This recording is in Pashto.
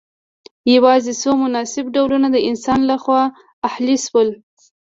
یوازې څو مناسب ډولونه د انسان لخوا اهلي شول.